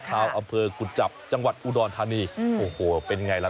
ชาวอำเภอกุจจับจังหวัดอุดรธานีโอ้โหเป็นไงล่ะ